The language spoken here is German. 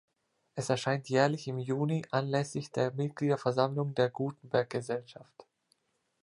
Es erscheint jährlich im Juni, anlässlich der Mitgliederversammlung der Gutenberg-Gesellschaft.